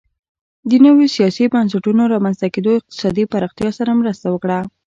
د نویو سیاسي بنسټونو رامنځته کېدو اقتصادي پراختیا سره مرسته وکړه